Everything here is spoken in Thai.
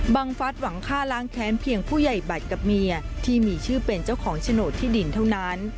ฟัฐหวังฆ่าล้างแค้นเพียงผู้ใหญ่บัตรกับเมียที่มีชื่อเป็นเจ้าของโฉนดที่ดินเท่านั้น